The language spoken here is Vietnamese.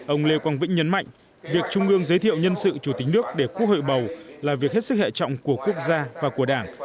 ông lê quang vĩnh nhấn mạnh việc trung ương giới thiệu nhân sự chủ tịch nước để quốc hội bầu là việc hết sức hệ trọng của quốc gia và của đảng